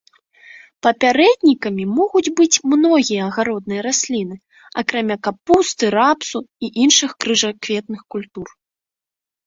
Папярэднікамі могуць быць многія агароднінныя расліны, акрамя капусты, рапсу і іншых крыжакветных культур.